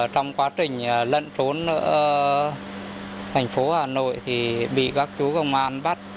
trong quá trình lận trốn ở thành phố hà nội thì bị các chú công an bắt